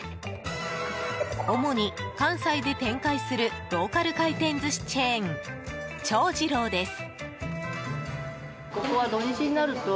主に関西で展開するローカル回転寿司チェーンＣＨＯＪＩＲＯです。